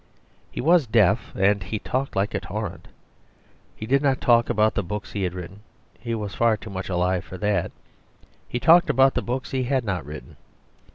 He was deaf and he talked like a torrent. He did not talk about the books he had written; he was far too much alive for that. He talked about the books he had not written.